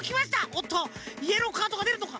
おっとイエローカードがでるのか？